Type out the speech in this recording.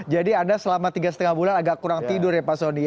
jadi anda selama tiga lima bulan agak kurang tidur ya pak soni